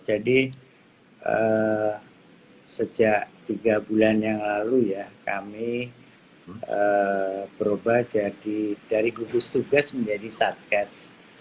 jadi sejak tiga bulan yang lalu ya kami berubah dari gugus tugas menjadi satgas